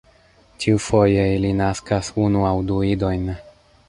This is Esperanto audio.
Ĉiufoje ili naskas unu aŭ du idojn.